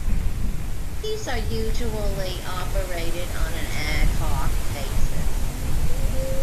These are usually operated on an ad-hoc basis.